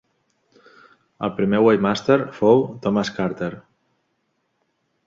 El primer Waymaster fou Thomas Carter.